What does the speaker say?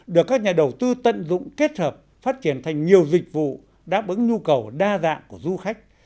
được các nhà đầu tư tận dụng kết hợp phát triển thành nhiều dịch vụ đáp ứng nhu cầu đa dạng của du khách